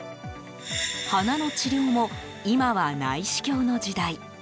鼻の治療も今は内視鏡の時代。